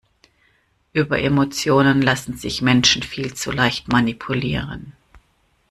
Über Emotionen lassen sich Menschen viel zu leicht manipulieren.